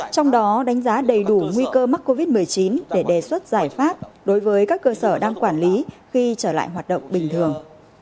trong đó đánh giá đầy đủ nguy cơ mắc covid một mươi chín để đề xuất giải pháp đối với các cơ sở đang quản lý khi trở lại hoạt động bình thường